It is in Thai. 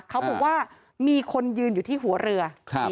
เขาบอกว่ามีคนยืนอยู่ที่หัวเรือ